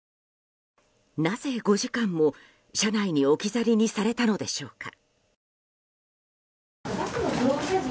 なぜ５時間も、車内に置き去りにされたのでしょうか。